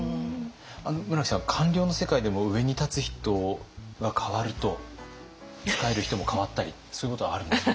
村木さん官僚の世界でも上に立つ人が代わると仕える人も代わったりそういうことはあるんですか？